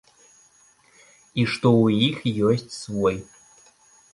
І што ў іх ёсць свой.